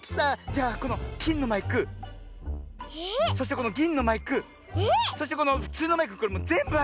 じゃあこのきんのマイクそしてこのぎんのマイクそしてこのふつうのマイクぜんぶあげちゃう！